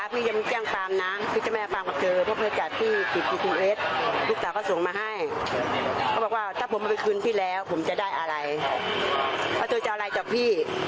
ผมติดตามพี่มานานแล้วผมจำได้